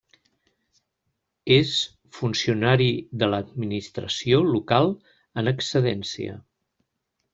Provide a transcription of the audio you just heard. És funcionari de l'administració local en excedència.